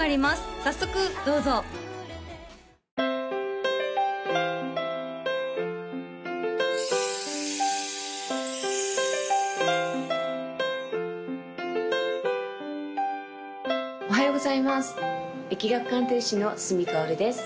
早速どうぞおはようございます易学鑑定士の角かおるです